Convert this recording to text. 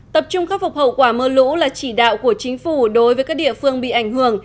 tập trung khắc phục hậu quả mưa lũ là chỉ đạo của chính phủ đối với các địa phương bị ảnh hưởng